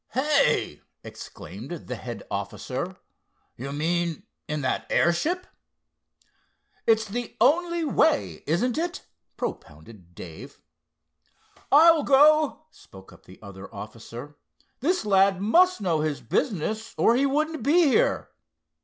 "Hey!" exclaimed the head officer—"you mean in that airship?" "It's the only way, isn't it?" propounded Dave. "I'll go," spoke up the other officer. "This lad must know his business or he wouldn't be here.